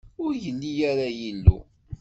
Ur yelli ara yillu.